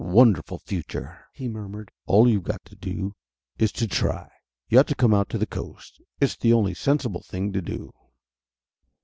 "Wonderful future!" he murmured. "All you've got to do is to try! You ought to come out to the Coast. It's the only sensible thing to do."